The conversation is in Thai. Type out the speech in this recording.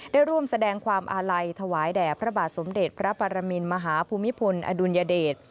ร่วมแสดงความอาลัยถวายแด่พระบาทสมเด็จพระปรมินมหาภูมิพลอดุลยเดช